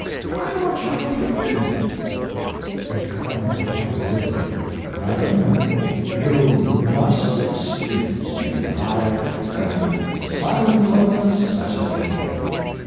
I want your opinion." Mr. Clemens replied gravely: Mad am, you must. excuse me, I am silent of necessity.